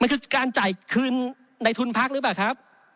มันคือการจ่ายคืนในทุนพักหรือเปล่าครับ